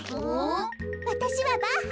わたしはバッハ。